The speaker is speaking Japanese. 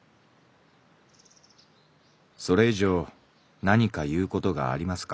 「それ以上なにか言うことがありますか」。